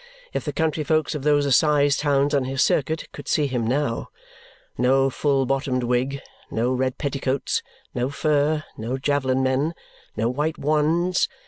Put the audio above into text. If the country folks of those assize towns on his circuit could see him now! No full bottomed wig, no red petticoats, no fur, no javelin men, no white wands.